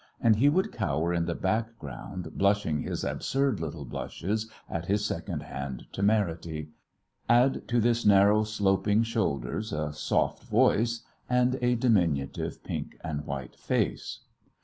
And he would cower in the background blushing his absurd little blushes at his second hand temerity. Add to this narrow, sloping shoulders, a soft voice, and a diminutive pink and white face.